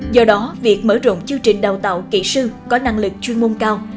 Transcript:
do đó việc mở rộng chương trình đào tạo kỹ sư có năng lực chuyên môn cao